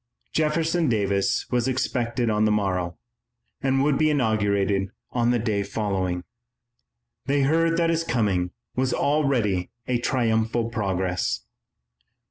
Jefferson Davis was expected on the morrow, and would be inaugurated on the day following. They heard that his coming was already a triumphal progress.